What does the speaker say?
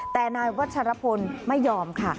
แต่นายวัชรพลไม่ยอมค่ะ